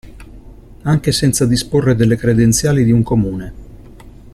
Anche senza disporre delle credenziali di un comune.